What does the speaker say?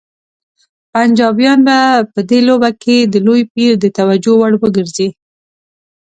پنجابیان به په دې لوبه کې د لوی پیر د توجه وړ وګرځي.